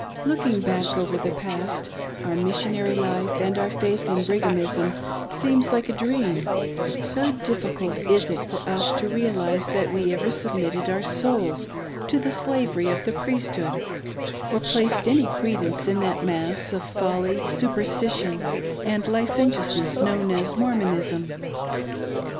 Looking back over the past, our Missionary life and our faith in Brighamism seems like a dream, so diffi cult is it for us to realise that we ever submitted our souls to the slavery of the Priesthood or placed any credence in that mass of folly, superstition, and licentiousness, known as Mor monism.